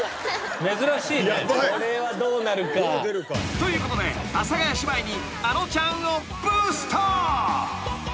［ということで阿佐ヶ谷姉妹にあのちゃんをブースト］